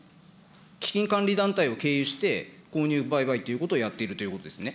基金管理団体を経由して、購入、売買ということをやっているということですね。